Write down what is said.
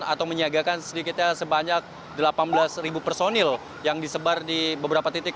atau menyiagakan sedikitnya sebanyak delapan belas personil yang disebar di beberapa titik